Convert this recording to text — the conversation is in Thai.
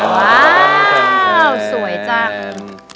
ว้าวสวยจัง